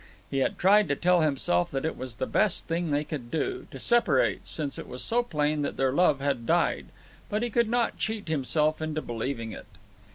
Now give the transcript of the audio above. He had tried to tell himself that it was the best thing they could do, to separate, since it was so plain that their love had died; but he could not cheat himself into believing it.